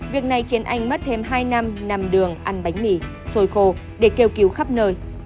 việc này khiến anh mất thêm hai năm nằm đường ăn bánh mì phôi khô để kêu cứu khắp nơi